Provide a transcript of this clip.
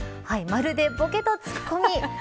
まるで、ボケとツッコミ。